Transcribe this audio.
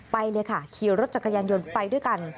ไปเลยค่ะขี่รถจักรยานยนต์ไปด้วยกัน